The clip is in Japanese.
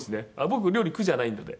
僕料理苦じゃないので。